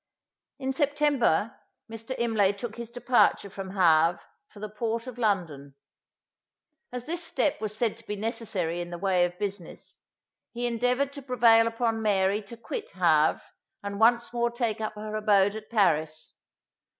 In September, Mr. Imlay took his departure from Havre for the port of London. As this step was said to be necessary in the way of business, he endeavoured to prevail upon Mary to quit Havre, and once more take up her abode at Paris.